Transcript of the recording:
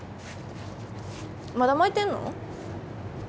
まだ巻いてんの？